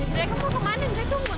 dek kamu kemana